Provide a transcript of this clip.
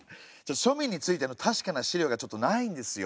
庶民についての確かな資料がちょっとないんですよ。